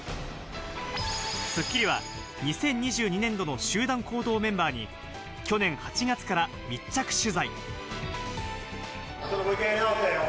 『スッキリ』は２０２２年度の集団行動メンバーに去年８月から密着取材。